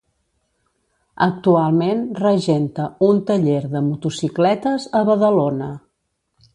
Actualment regenta un taller de motocicletes a Badalona.